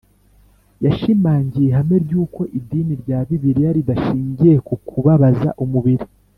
. Yashimangiye ihame ry’uko idini rya Bibiliya ridashingiye ku kubabaza umubiri.